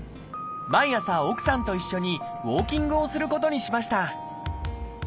毎朝奥さんと一緒にウォーキングをすることにしました。